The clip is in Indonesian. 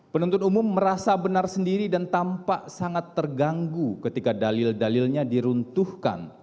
penuntut umum merasa benar sendiri dan tampak sangat terganggu ketika dalil dalilnya diruntuhkan